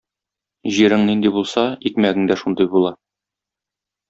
Җирeң нинди булсa, икмәгeң дә шундый булa.